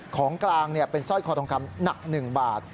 ของกลางเป็นสร้อยคอทองคำหนัก๑บาท